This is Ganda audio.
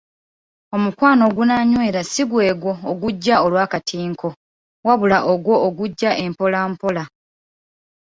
Omukwano ogunaanywera si gwegwo ogujja olw'akatinko, wabula ogwo ogujja empola mpola.